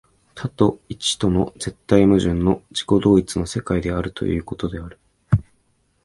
多と一との絶対矛盾の自己同一の世界であるということである。